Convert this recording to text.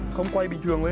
không quay bình thường vậy